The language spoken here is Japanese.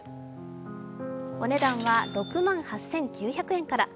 お値段は６万８９００円から。